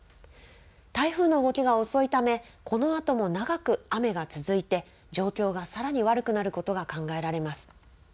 台風の動きが遅いためこのあとも長く雨が続いて状況がさらに悪くなることが考えられます。